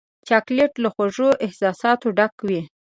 چاکلېټ له خوږو احساساتو ډک وي.